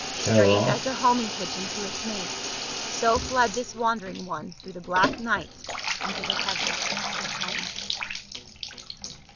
Straight as a homing pigeon to its mate, so fled this wandering one through the black night into the heaven of home.